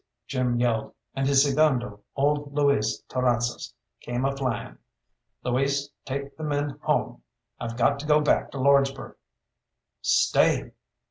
Jim yelled, and his segundo, old Luis Terrazas, came a flying. "Luis, take the men home I've got to go back to Lordsburgh." "Stay!"